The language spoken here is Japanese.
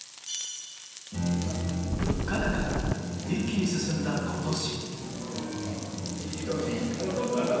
物価高が一気に進んだ今年。